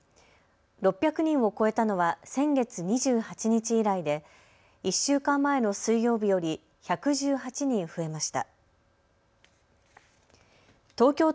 ６００人を超えたのは先月２８日以来で１週間前の水曜日より１１８人増えました。